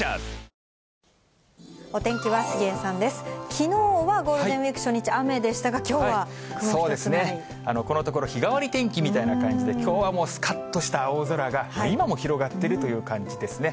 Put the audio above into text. きのうはゴールデンウィーク初日、雨でしたが、このところ、日替わり天気みたいな感じで、きょうはもう、すかっとした青空が、今も広がってるという感じですね。